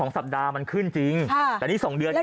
สัปดาห์มันขึ้นจริงแต่นี่๒เดือนเนี่ย